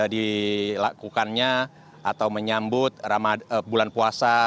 dilakukannya atau menyambut bulan puasa